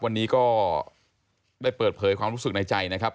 วันนี้ก็ได้เปิดเผยความรู้สึกในใจนะครับ